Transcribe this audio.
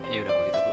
yaudah aku gitu dulu